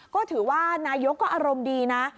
ก็ถือว่านายกก็อารมณ์ดีนะ